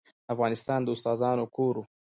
افغانستان د استادانو کور و.